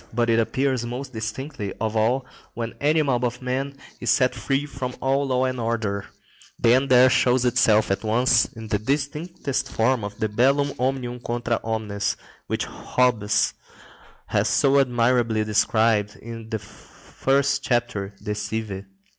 But it appears most distinctly of all when any mob of men is set free from all law and order; then there shows itself at once in the distinctest form the bellum omnium contra omnes, which Hobbes has so admirably described in the first chapter De Cive.